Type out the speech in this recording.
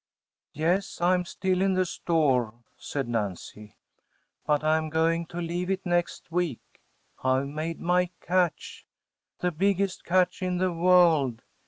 “Yes, I’m still in the store,‚ÄĚ said Nancy, “but I’m going to leave it next week. I’ve made my catch‚ÄĒthe biggest catch in the world.